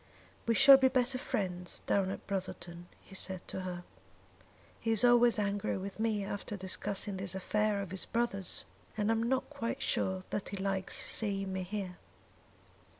"We shall be better friends down at Brotherton," he said to her. "He is always angry with me after discussing this affair of his brother's; and I am not quite sure that he likes seeing me here."